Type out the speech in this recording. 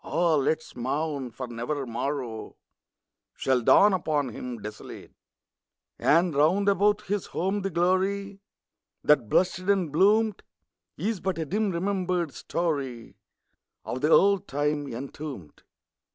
(Ah, let us mourn! for never morrow Shall dawn upon him desolate !) And round about his home the glory That blushed and bloomed, Is but a dim remembered story Of the old time entombed.